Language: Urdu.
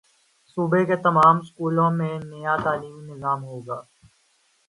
صوبے کے تمام سکولوں میں نیا تعلیمی نظام ہوگا